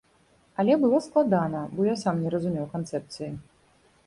Але было складана, бо я сам не разумеў канцэпцыі.